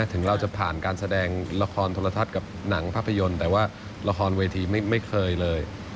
ถึงเราจะผ่านการแสดงละครโทรทัศน์กับหนังภาพยนตร์แต่ว่าละครเวทีไม่เคยเลย